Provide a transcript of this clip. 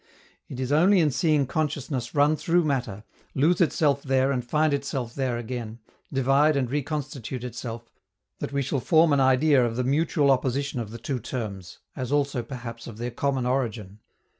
It is only in seeing consciousness run through matter, lose itself there and find itself there again, divide and reconstitute itself, that we shall form an idea of the mutual opposition of the two terms, as also, perhaps, of their common origin.